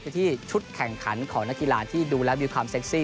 ที่ชุดแข่งขันของนักกีฬาที่ดูแล้วมีความเซ็กซี่